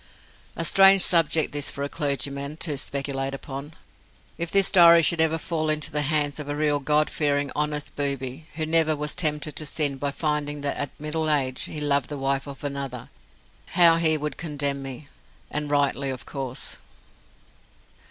A strange subject this for a clergyman to speculate upon! If this diary should ever fall into the hands of a real God fearing, honest booby, who never was tempted to sin by finding that at middle age he loved the wife of another, how he would condemn me! And rightly, of course.